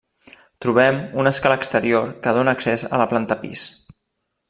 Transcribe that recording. Trobem una escala exterior que dóna accés a la planta pis.